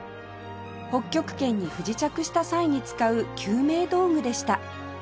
北極圏に不時着した際に使う救命道具でした